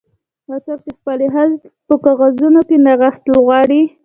او څوک چې خپلې ښځې په کاغذونو کې نغښتل غواړي